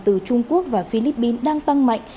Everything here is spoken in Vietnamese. từ trung quốc và philippines đang tăng mạnh